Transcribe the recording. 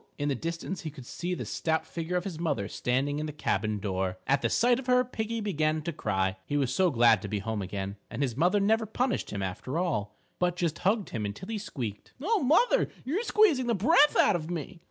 In the distance he could see the stout figure of his mother standing in the cabin door. At the sight of her Piggie began to cry, he was so glad to be home again. And his mother never punished him after all, but just hugged him until he squeaked, "Oh, mother, you're squeezing the breath out of me!"